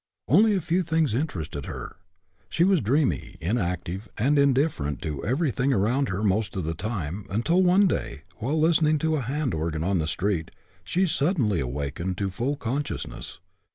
Only a few things interested her. She was dreamy, inactive, and indifferent to every thing around her most of the time until, one day, while listening to a hand organ on the street, she suddenly awakened to full con sciousness.